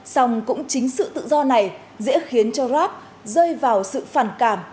song cũng chính sự tự do này dễ khiến cho rap rơi vào sự phản cảm